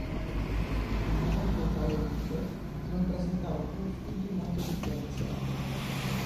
Il largo talonide non presentava cuspidi molto differenziate.